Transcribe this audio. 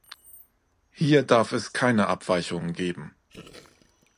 Hier darf es keine Abweichungen geben.